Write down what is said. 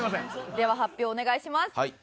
では発表お願いします。